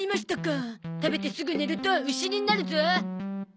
食べてすぐ寝ると牛になるゾ。